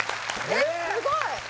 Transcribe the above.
えっすごい